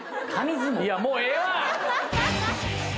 いやもうええわ！